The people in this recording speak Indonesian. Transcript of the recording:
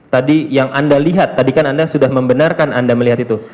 tadi yang anda lihat tadi kan anda sudah membenarkan anda melihat itu